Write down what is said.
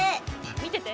見てて。